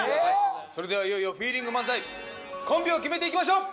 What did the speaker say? それではいよいよフィーリング漫才コンビを決めていきましょう。